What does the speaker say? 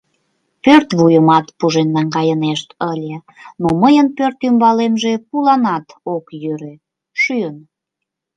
Пӧрт вуйымат пужен наҥгайынешт ыле, но мыйын пӧрт ӱмбалемже пуланат ок йӧрӧ, шӱйын.